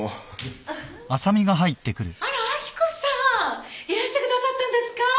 あら明子さんいらしてくださったんですか？